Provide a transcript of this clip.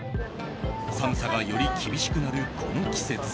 寒さがより厳しくなる、この季節。